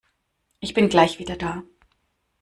Ich bin gleich wieder da.